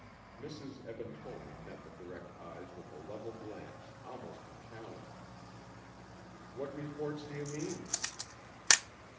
Mrs. Eben Tollman met the direct eyes with a level glance almost of challenge. "What reports do you mean?"